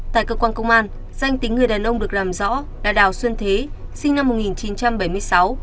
tại cơ quan công an danh tính người đàn ông được làm rõ là đào xuân thế sinh năm một nghìn chín trăm bảy mươi sáu